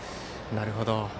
なるほど。